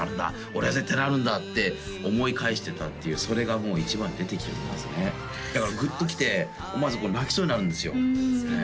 「俺は絶対なるんだ」って思い返してたっていうそれがもう１番に出てきますねだからグッときて思わず泣きそうになるんですよ